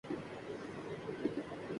اب تمہیں حقیقت کا سامنا کرنا پڑے گا